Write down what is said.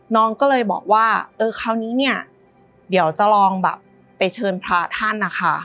น้องก็เลยบอกว่าเออคราวนี้เนี่ยเดี๋ยวจะลองแบบไปเชิญพระท่านนะคะ